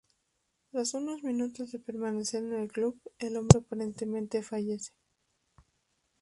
Tras unos minutos de permanecer en el club, el hombre aparentemente fallece.